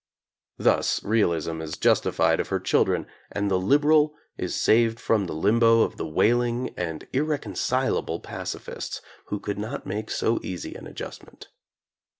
Thus real ism is justified of her children, and the "liberal" is saved from the limbo of the wailing and irre concilable pacifists who could not make so easy an adjustment.